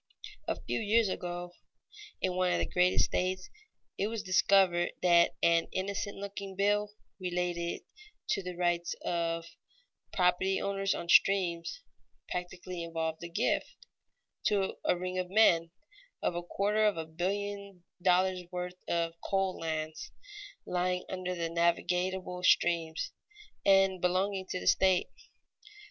A few years ago, in one of the greatest states, it was discovered that an innocent looking bill, relating to the rights of property owners on streams, practically involved the gift, to a ring of men, of a quarter of a billion dollars' worth of coal lands, lying under the navigable streams, and belonging to the state.